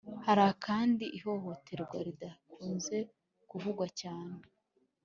Hari kandi ihohoterwa ridakunze kuvugwa cyane